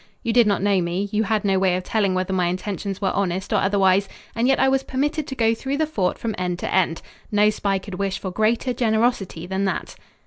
You did not know me, you had no way of telling whether my intentions were honest or otherwise, and yet I was permitted to go through the fort from end to end. No spy could wish for greater generosity than that."